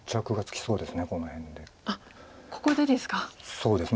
そうですね。